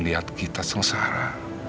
lihat kita sengsara